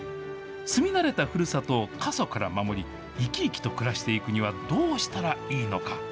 住み慣れたふるさとを過疎から守り、生き生きと暮らしていくには、どうしたらいいのか。